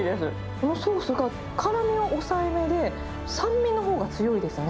このソースは辛みが抑えめで、酸味のほうが強いですね。